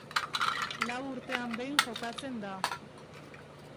Lau urtean behin jokatzen da.